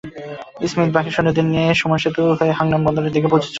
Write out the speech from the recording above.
Smith বাকি সৈন্যদের নিয়ে সুমুন সেতু হয়ে হাংনাম বন্দরের দিকে পিছু হটছে।